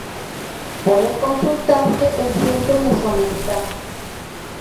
Puede consultarse: El centro mesoamericano.